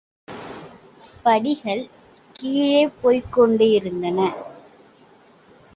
படிகள் கீழே போய்க் கொண்டே இருந்தன.